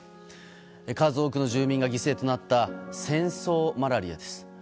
数多くの住民が犠牲となった戦争マラリアです。